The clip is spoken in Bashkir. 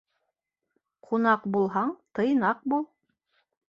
Ҡунаҡ булһаң, тыйнаҡ бул.